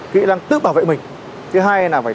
kỹ lăng tự bảo vệ mình